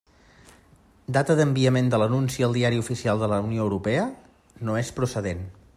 Data d'enviament de l'anunci al Diari Oficial de la Unió Europea: no és procedent.